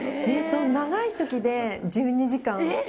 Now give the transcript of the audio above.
長いときで１２時間。